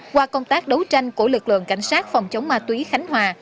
qua công tác đấu tranh của lực lượng cảnh sát phòng chống ma túy khánh hòa